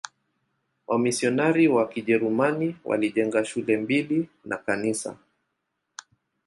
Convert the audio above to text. Wamisionari wa Kijerumani walijenga shule mbili na kanisa.